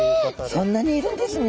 そんなにいるんですね